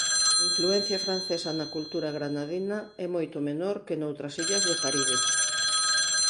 A influencia francesa na cultura granadina é moito menor que noutras illas do Caribe.